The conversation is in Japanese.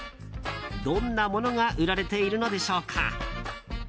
どんなものが売られているのでしょうか。